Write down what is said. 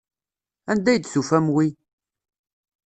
Anda ay d-tufam wi?